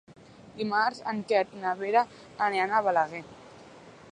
Dimarts en Quer i na Vera aniran a Balaguer.